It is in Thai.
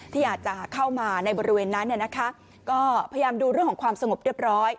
ที่อาจจะเข้ามาในบริเวณนั้นก็พยายามดูเรื่องของความสงบเรียบร้อย